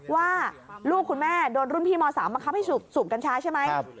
ว่าลูกคุณแม่โดนรุ่นพี่ม๓บังคับให้สูบกัญชาใช่ไหม